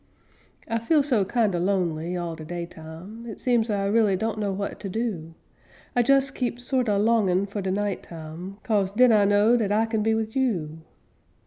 I feel so kinder lonely all de daytime, It seems I raly don't know what to do; I jes keep sort a longin' fu' de night time, 'Cause den I know dat I can be wid you.